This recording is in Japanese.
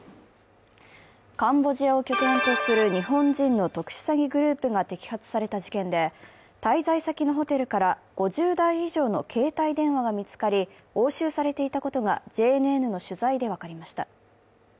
カンボジアを拠点とする日本人の特殊詐欺グループが摘発された事件で、滞在先のホテルから５０台以上の携帯電話が見つかり押収されていたことがＪＮＮの取材で分かりました。